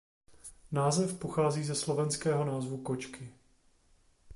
Název pochází ze slovenského názvu kočky.